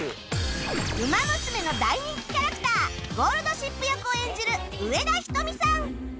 『ウマ娘』の大人気キャラクターゴールドシップ役を演じる上田瞳さん